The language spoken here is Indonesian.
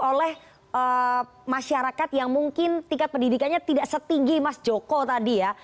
oleh masyarakat yang mungkin tingkat pendidikannya tidak setinggi mas joko tadi ya